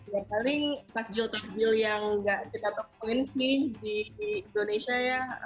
ya paling takjil takjil yang tidak terkawin sih di indonesia ya